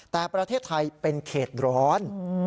แต่ประเทศไทยเป็นเขตร้อน